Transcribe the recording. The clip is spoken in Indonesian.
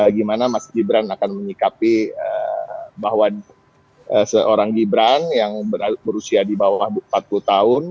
gimana mas gibran akan menyikapi bahwa seorang gibran yang berusia di bawah empat puluh tahun